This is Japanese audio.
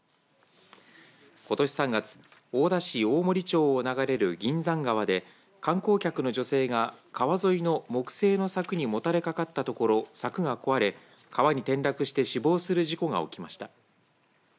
ことし３月大田市大森町を流れる銀山川で観光客の女性が川沿いの木製の柵にもたれかかったところ柵が壊れ川に転落して死亡する事故が起きました。